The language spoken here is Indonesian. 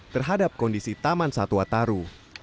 terhadap kondisi taman satwa taru